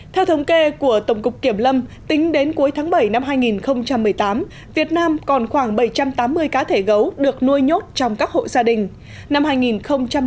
theo thống kê của tổng cục kiểm lâm tính đến cuối tháng bảy năm hai nghìn một mươi tám việt nam còn khoảng bảy trăm tám mươi cá thể gấu được nuôi nhốt trong các hộ gia đình